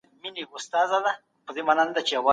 کله به حکومت ګاونډی هیواد په رسمي ډول وڅیړي؟